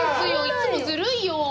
いつもずるいよ！